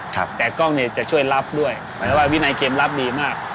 แต่กล้องเนี่ยจะช่วยรับด้วยวินัยเกมรับดีมาก